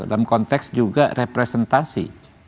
dalam konteks juga representasi